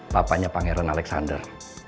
papanya pangeran alexander